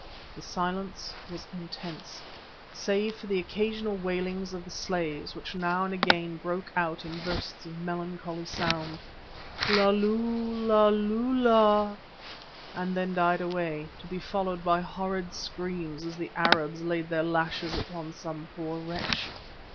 The silence was intense, save for the occasional wailings of the slaves, which now and again broke out in bursts of melancholy sound, "La lu La lua!" and then died away, to be followed by horrid screams as the Arabs laid their lashes upon some poor wretch.